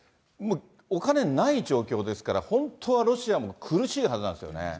もうお金ない状況ですから、本当はロシアも苦しいはずなんですよね。